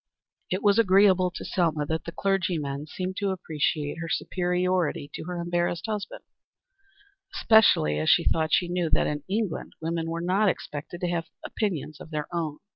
It was agreeable to Selma that the clergymen seemed to appreciate her superiority to her embarrassed husband, especially as she thought she knew that in England women were not expected to have opinions of their own.